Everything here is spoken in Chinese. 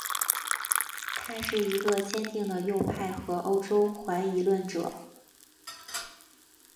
他是一个坚定的右派和欧洲怀疑论者。